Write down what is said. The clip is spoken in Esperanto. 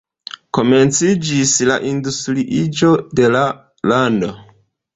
Komenciĝis la industriiĝo de la lando.